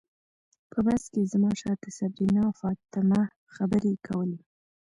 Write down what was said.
په بس کې زما شاته صبرینا او فاطمه خبرې کولې.